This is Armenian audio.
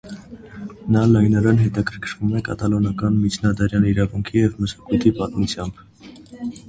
Նա լայնորեն հետաքրքրվում է կատալոնական միջնադարյան իրավունքի և մշակույթի պատմությամբ։